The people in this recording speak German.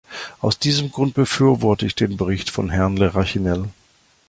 Aus diesem Grund befürworte ich den Bericht von Herrn Le Rachinel.